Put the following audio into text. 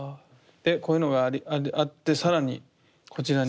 でこういうのがあって更にこちらに。